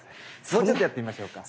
もうちょっとやってみましょうか。